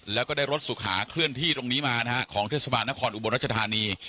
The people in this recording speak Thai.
แล้วก็ได้รถสุขาเคลื่อนที่ตรงนี้มานะฮะของเทศบาลนครอุบลรัชธานี